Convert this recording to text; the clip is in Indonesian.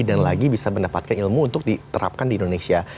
dan lagi bisa mendapatkan ilmu untuk diterapkan di indonesia